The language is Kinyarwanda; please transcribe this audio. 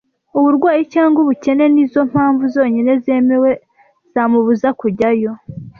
Uburwayi cyangwa ubukene ni zo mpamvu zonyine zemewe zamubuza kujyayo